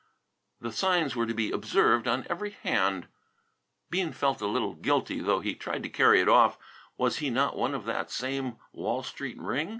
The signs were to be observed on every hand. Bean felt a little guilty, though he tried to carry it off. Was he not one of that same Wall Street ring?